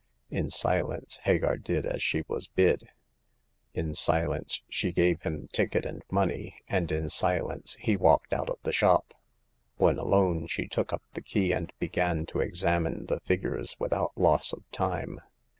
In silence Hagar did as she was bid ; ia 134 Hagar of the Pawn Shop. silence she gave him ticket and money ; and in silence he walked out of the shop. When alone she took up the key, and began to examine the figures without loss of time.